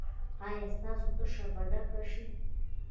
ایا ستاسو تشه به ډکه شي؟